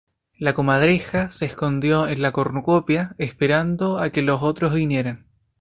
La Comadreja se escondió en la Cornucopia, esperando a que los otros vinieran.